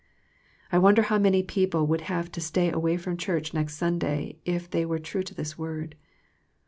I wonder how many people would have to stay away from church next Sunday if they were true to this word.